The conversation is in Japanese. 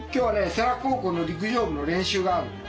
世羅高校の陸上部の練習があるんだよ。